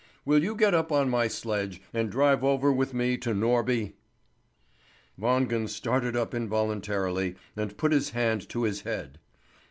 Will you get up on my sledge, and drive over with me to Norby?" Wangen started up involuntarily, and put his hand to his head.